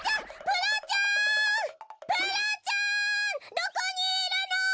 どこにいるの？